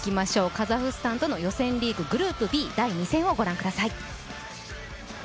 カザフスタンとの予選リーグ、グループＢ第２戦をご覧ください。